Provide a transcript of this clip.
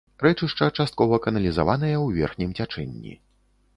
Рэчышча часткова каналізаванае ў верхнім цячэнні.